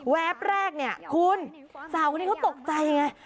แวบแรกคุณสาวกันนี้เขาตกใจอย่างไร